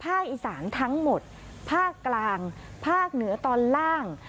ผ้าอิสานทั้งหมดผ้ากลางผ้าเหนือตอนล่าง